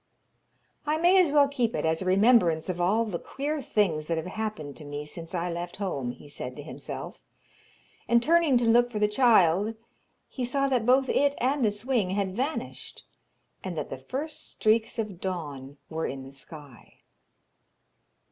'I may as well keep it as a remembrance of all the queer things that have happened to me since I left home,' he said to himself, and turning to look for the child, he saw that both it and the swing had vanished, and that the first streaks of dawn were in the sky.